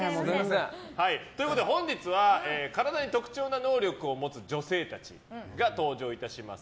本日は体に特殊な能力を持つ女性たちが登場いたします。